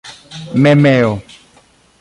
memeo